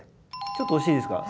ちょっと押していいですか？